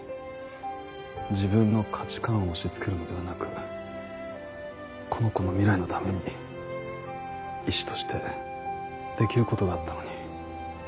自分の価値観を押しつけるのではなくこの子の未来のために医師としてできる事があったのに。